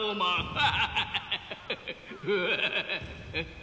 フハハハ。